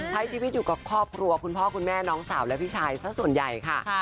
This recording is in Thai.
ใช้ชีวิตอยู่กับครอบครัวคุณพ่อคุณแม่น้องสาวและพี่ชายสักส่วนใหญ่ค่ะ